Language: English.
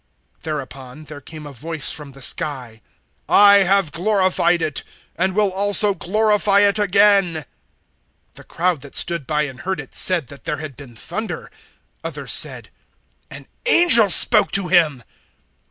Thereupon there came a voice from the sky, "I have glorified it and will also glorify it again." 012:029 The crowd that stood by and heard it, said that there had been thunder. Others said, "An angel spoke to him."